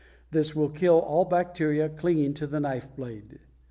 This will kill all bacteria clinging to the knife blade.